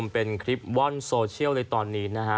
เป็นคลิปว่อนโซเชียลเลยตอนนี้นะฮะ